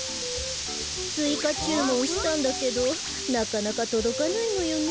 ついかちゅうもんしたんだけどなかなかとどかないのよね。